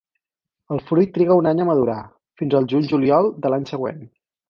El fruit triga un any a madurar, fins al juny-juliol de l'any següent.